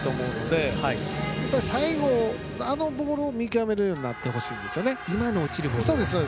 今の最後のボールを見極めるようになってほしいんですね。